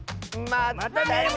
まったね！